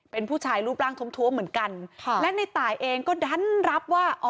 เป็นผู้ชายรูปร่างทวมเหมือนกันค่ะและในตายเองก็ดันรับว่าอ๋อ